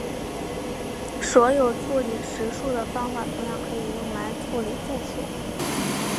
所以处理实数的方法同样可以用来处理复数。